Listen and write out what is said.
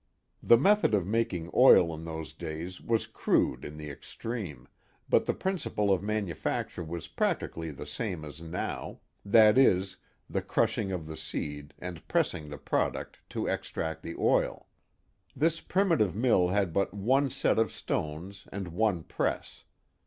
The method of making oil in those days was crude in the extreme, but the principle of manufacture was practically the same as now; that is, the crushing of the seed and pressing ihe product to extract the oil. This primitive mill had but one set of stones and one press.